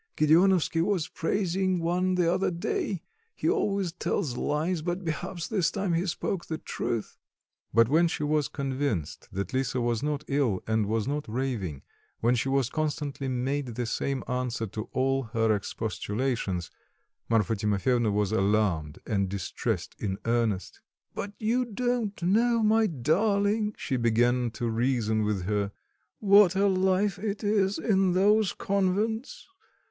Gedeonovsky was praising one the other day; he always tells lies but perhaps this time he spoke the truth." But when she was convinced that Lisa was not ill, and was not raving, when she constantly made the same answer to all her expostulations, Marfa Timofyevna was alarmed and distressed in earnest. "But you don't know, my darling," she began to reason with her, "what a life it is in those convents!